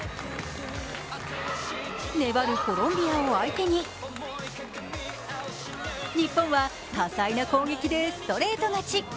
粘るコロンビアを相手に、日本は多彩な攻撃でストレート勝ち。